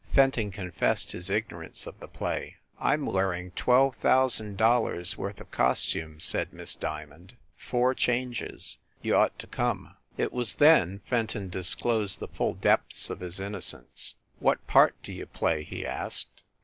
Fenton confessed his ignorance of the play. "Pm wearing twelve thousand dollars worth of costumes," said Miss Diamond. "Four changes. You ought to come." It was then Fenton disclosed the full depths of his innocence. "What part do you play?" he asked.